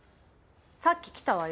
さっき来たわよ